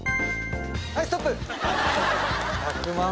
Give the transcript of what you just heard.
はいストップ！